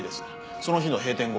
その日の閉店後。